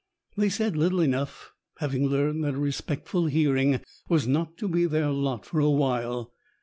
They said little enough, having learned that a respectful hearing was not to be their lot for a while.